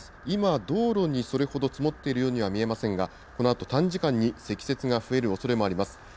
今、道路にそれほど積もっているようには見えませんが、このあと短時間に積雪が増えるおそれもあります。